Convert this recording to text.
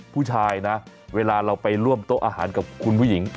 ผู้ชายนะเวลาเราไปร่วมโต๊ะอาหารกับคุณผู้หญิง